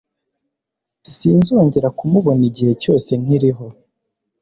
Sinzongera kumubona igihe cyose nkiriho.